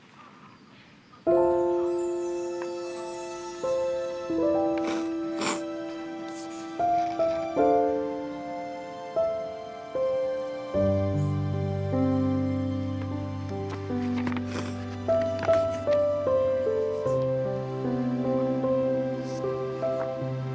คุณฟอยพ่อไม่ขอมาให้หรอก